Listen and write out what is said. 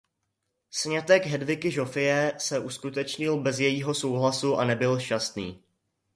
Sňatek Hedviky Žofie se uskutečnil bez jejího souhlasu a nebyl šťastný.